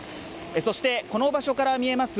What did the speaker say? そしてこの場所から見えます